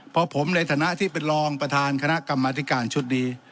เพราะผมในฐานะที่เป็นรองประธานคณะกรรมธิการชุดนี้